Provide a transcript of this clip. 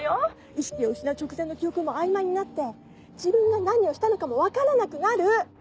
意識を失う直前の記憶も曖昧になって自分が何をしたのかも分からなくなる！